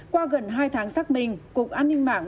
qua gần hai tháng xác minh cục an ninh mạng